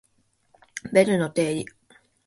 ベルの定理